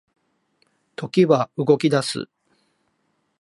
時は動き出す